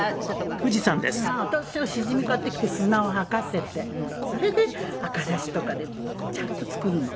私はシジミを買ってきて砂を吐かせてそれで赤だしとかでちゃんと作るの。